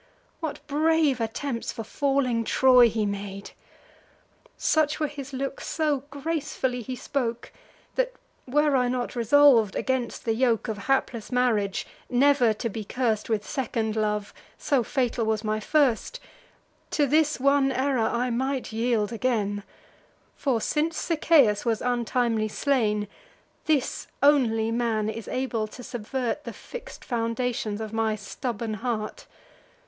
What brave attempts for falling Troy he made! Such were his looks, so gracefully he spoke, That, were I not resolv'd against the yoke Of hapless marriage, never to be curst With second love, so fatal was my first, To this one error I might yield again; For, since Sichaeus was untimely slain, This only man is able to subvert The fix'd foundations of my stubborn heart.